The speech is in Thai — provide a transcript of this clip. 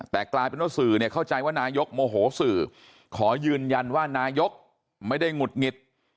แต่กลายเป็นว่าสื่อเนี่ยเข้าใจว่านายกโมโหสื่อขอยืนยันว่านายกไม่ได้หงุดหงิด